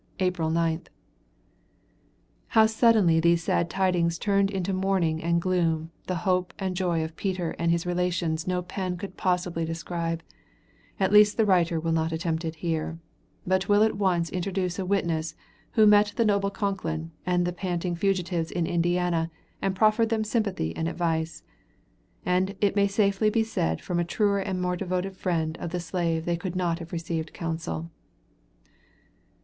April 9th. How suddenly these sad tidings turned into mourning and gloom the hope and joy of Peter and his relatives no pen could possibly describe; at least the writer will not attempt it here, but will at once introduce a witness who met the noble Concklin and the panting fugitives in Indiana and proffered them sympathy and advice. And it may safely be said from a truer and more devoted friend of the slave they could not have received counsel.